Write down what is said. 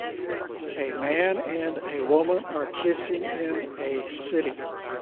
A man and a woman are kissing in a city